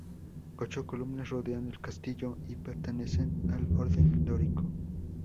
Ocho columnas rodean al castillo y pertenecen al orden dórico.